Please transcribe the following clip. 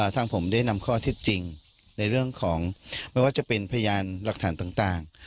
ทางผมได้นำข้อเท็จจริงในเรื่องของไม่ว่าจะเป็นพยานหลักฐานต่าง